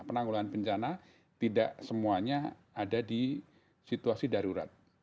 penanggulan bencana tidak semuanya ada di situasi darurat